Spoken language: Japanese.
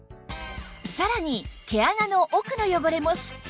さらに毛穴の奥の汚れもスッキリ！